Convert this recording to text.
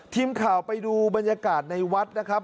ทีมข่าวไปดูบรรยากาศในวัดนะครับ